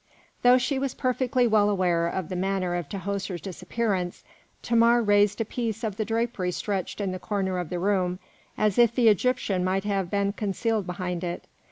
Though she was perfectly well aware of the manner of Tahoser's disappearance, Thamar raised a piece of the drapery stretched in the corner of the room, as if the Egyptian might have been concealed behind it.